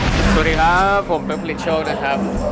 สวัสดีครับผมเป๊กผลิตโชคนะครับ